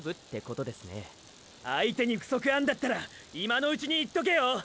相手に不足あんだったら今のうちに言っとけよ。